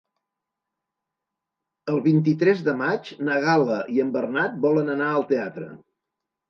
El vint-i-tres de maig na Gal·la i en Bernat volen anar al teatre.